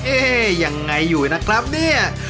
ยังไงอยู่นะครับเนี่ย